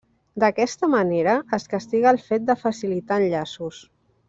D'aquesta manera, es castiga el fet de facilitar enllaços.